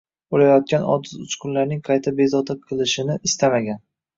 O’layotgan ojiz uchqunlarning qayta bezovta qilishini istamagan